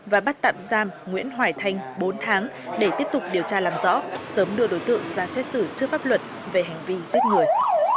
và bắt tạm giam nguyễn hoài thanh bốn tháng để tiếp tục điều tra làm rõ sớm đưa đối tượng ra xét xử trước pháp luật về hành vi giết người